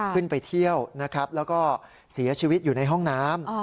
ขึ้นไปเที่ยวนะครับแล้วก็เสียชีวิตอยู่ในห้องน้ำ